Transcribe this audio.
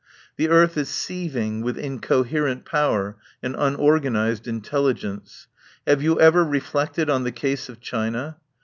The earth is seething with incoherent power and unorgan ised intelligence. Have you ever reflected on the case of China?